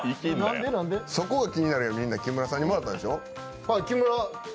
そこが気になるやん、みんな木村さんにもらったんでしょう？